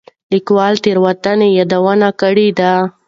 ليکوال تېروتنه يادونه کړې ده.